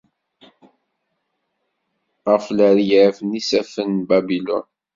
Ɣef leryaf n yisaffen n Babilun.